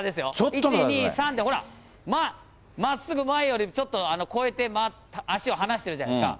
１、２、３でほら、まっすぐ、前よりちょっと超えて、足を離してるじゃないですか。